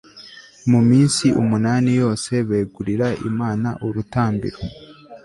mu minsi umunani yose, begurira imana urutambiro